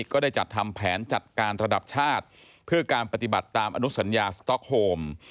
ก็ได้จัดทำแผนจัดการระดับชาติเพื่อการปฏิบัติตามอนุสัญญาสต๊อกโฮม